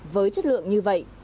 với chất lượng như vậy